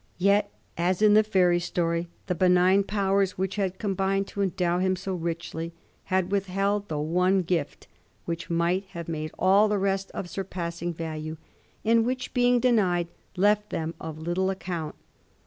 Yet, as in the fisdry story, the benign powers which had combhied to endow him so richly had withheld the one gift whidi might have made all the rest of surpasshig value, and which being denied left them of little account.